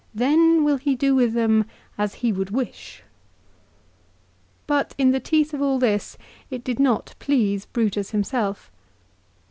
Then will he do with them as he would wish." 2 But in the teeth of all this it did not please Brutus himself.